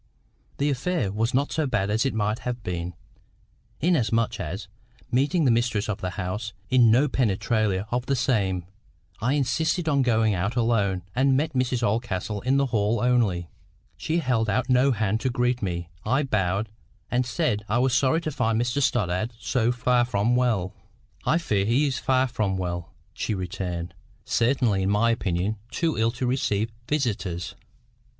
The affair was not so bad as it might have been, inasmuch as, meeting the mistress of the house in no penetralia of the same, I insisted on going out alone, and met Mrs Oldcastle in the hall only. She held out no hand to greet me. I bowed, and said I was sorry to find Mr Stoddart so far from well. "I fear he is far from well," she returned; "certainly in my opinion too ill to receive visitors."